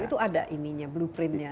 itu ada ininya blueprintnya